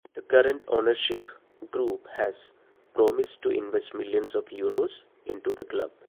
The current ownership group has "promised to invest millions of euros" into the club.